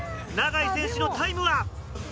永井選手のタイムは？